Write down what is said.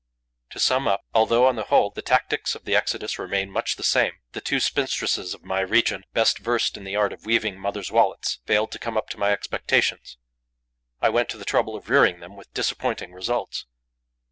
To sum up, although, on the whole, the tactics of the exodus remain much the same, the two spinstresses of my region best versed in the art of weaving mothers' wallets failed to come up to my expectations. I went to the trouble of rearing them, with disappointing results.